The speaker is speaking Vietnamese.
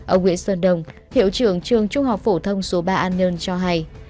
ông nguyễn sơn đồng hiệu trưởng trường trung học phổ thông số ba an nhơn cho hay